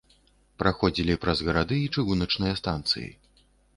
Праходзілі праз гарады і чыгуначныя станцыі.